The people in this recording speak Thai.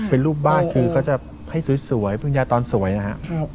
เป็นรูปบ้านคือเขาจะให้สวยเพิ่งย้ายตอนสวยนะครับ